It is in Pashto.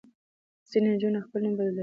ځینې نجونې خپل نوم بدلوي.